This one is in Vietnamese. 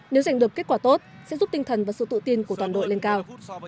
nếu giành được kết quả tốt sẽ giúp tinh thần và sự tự tin của toàn đội lên cao